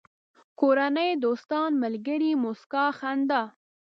کورنۍ، دوستان، ملگري، موسکا، خندا